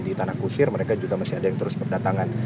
di tanah kusir mereka juga masih ada yang terus berdatangan